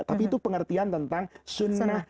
tapi itu pengertian tentang sunnah